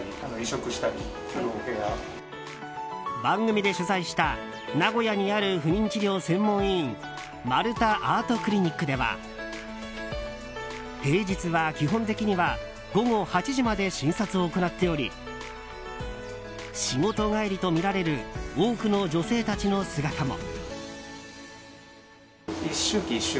番組で取材した名古屋にある不妊治療専門医院まるたＡＲＴクリニックでは平日は基本的には午後８時まで診察を行っており仕事帰りとみられる多くの女性たちの姿も。